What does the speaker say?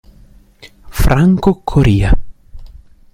Franco Coria